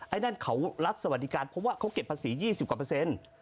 ไอ้นั่นเขารัฐสวัสดิการเพราะว่าเขาเก็บภาษี๒๐กว่าเปอร์เซ็นต์